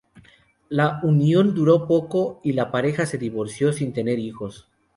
La unión duró poco, y la pareja se divorció sin tener hijos.